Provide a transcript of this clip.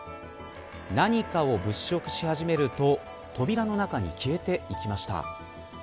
何かを物色し始めると扉の中に消えていきました。